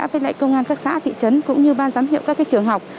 với lại công an các xã thị trấn cũng như ban giám hiệu các trường học